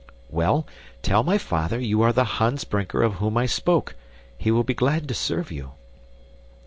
"Well, tell my father you are the Hans Brinker of whom I spoke. He will be glad to serve you."